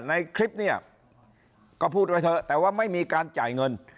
ในคลิปเนี่ยก็พูดไว้เถอะแต่ว่าไม่มีการจ่ายเงิน